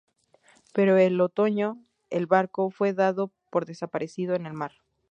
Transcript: Pero en el otoño, el barco fue dado por desaparecido en el mar.